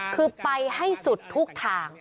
คือไปให้สุดทุกทาง